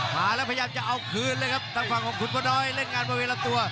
มาแล้วพยายามจะเอาคืนเลยครับทางฝั่งของขุนพลน้อยเล่นงานบริเวณลำตัว